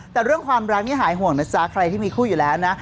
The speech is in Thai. แต่เรื่องความรักนี่หายห่วงนะจ๊ะใครที่มีคู่อยู่แล้วนะ